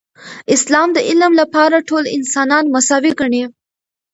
اسلام د علم لپاره ټول انسانان مساوي ګڼي.